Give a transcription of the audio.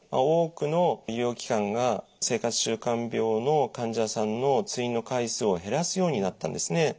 多くの医療機関が生活習慣病の患者さんの通院の回数を減らすようになったんですね。